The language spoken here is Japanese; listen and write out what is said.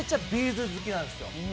’ｚ好きなんです。